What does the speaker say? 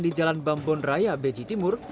di jalan bambon raya beji timur